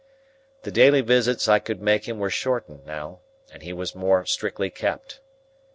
The daily visits I could make him were shortened now, and he was more strictly kept.